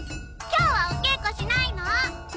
今日はお稽古しないの？